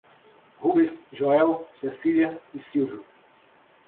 Rubens, Joel, Cecília e Sílvio